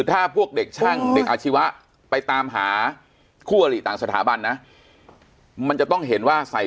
ถ้าพวกเด็กช่างเด็กอาชีวะไปตามหาคู่อลิต่างสถาบันนะมันจะต้องเห็นว่าใส่